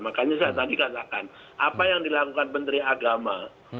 makanya saya tadi katakan apa yang dilakukan menteri agama